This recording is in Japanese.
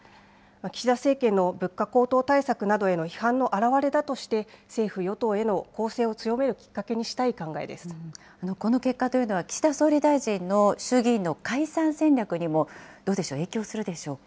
岸田政権の物価高騰対策などの批判の表れだとして、政府・与党への攻勢を強めるきっかけにしこの結果というのは、岸田総理大臣の衆議院の解散戦略にもどうでしょう、影響するでしょうか。